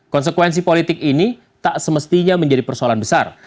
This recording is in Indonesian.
konsekuensi politik ini tak semestinya menjadi persoalan besar